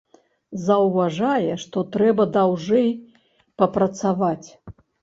Заўважае, што трэба даўжэй папрацаваць.